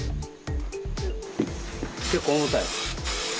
結構重たい。